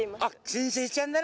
金星ちゃんだな。